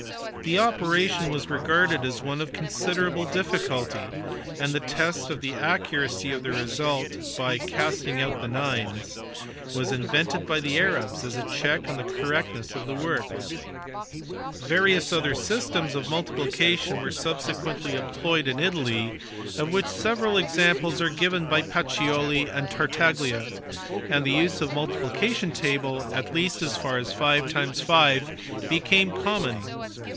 The operation was regarded as one of considerable difficulty, and the test of the accuracy of the result by "casting out the nines" was invented by the Arabs as a check on the correctness of the work. Various other systems of multiplication were subsequently employed B. 13 194 THE DEVELOrMENT OF ARITHMETIC. 1300 1637. in Italy, of which several examples are given by Pacioli and Tartaglia; and the use of the multiplication table at least as far as 5 x 5 became common.